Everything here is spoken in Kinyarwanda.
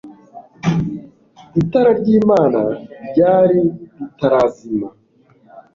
itara ry'imana ryari ritarazima